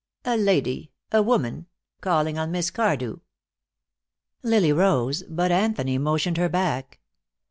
"A lady a woman calling on Miss Cardew." Lily rose, but Anthony motioned her back.